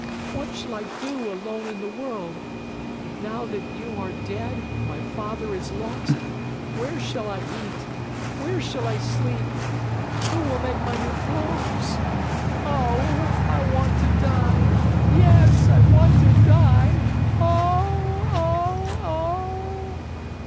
What shall I do alone in the world? Now that you are dead and my father is lost, where shall I eat? Where shall I sleep? Who will make my new clothes? Oh, I want to die! Yes, I want to die! Oh, oh, oh!"